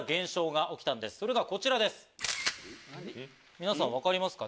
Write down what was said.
皆さん分かりますか？